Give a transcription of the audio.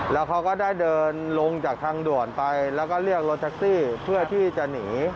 แล้วเขาก็ได้เดินลงจากทางด่วนไปแล้วก็เรียกรถแท็กซี่เพื่อที่จะหนี